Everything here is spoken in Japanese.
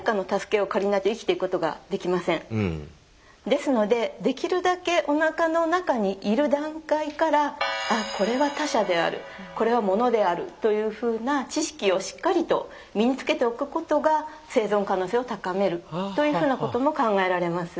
ですのでできるだけおなかの中にいる段階からあこれは他者であるこれはモノであるというふうな知識をしっかりと身につけておくことが生存の可能性を高めるというふうなことも考えられます。